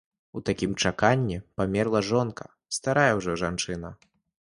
У такім чаканні памерла жонка, старая ўжо жанчына.